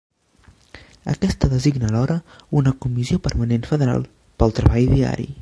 Aquesta designa alhora una Comissió Permanent Federal pel treball diari.